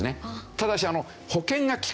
ただし。